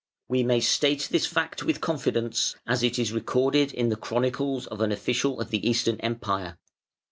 We may state this fact with confidence, as it is recorded in the chronicles of an official of the Eastern Empire.